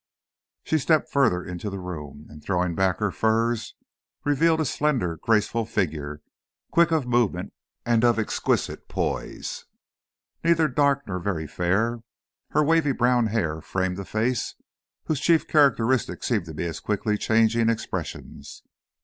She stepped further into the room, and throwing back her furs revealed a slender graceful figure, quick of movement and of exquisite poise. Neither dark nor very fair, her wavy brown hair framed a face whose chief characteristic seemed to be its quickly changing expressions.